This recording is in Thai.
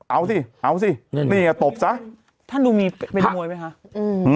เอาซิเอาซินี่ละตบซะท่านลูมีเอาแต่มวยไหมคะอืม